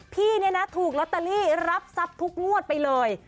พี่เนี่ยนะถูกลอตเตอรี่รับทรัพย์ทุกงวดไปเลย